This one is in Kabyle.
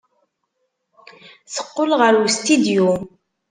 Teqqel ɣer ustidyu.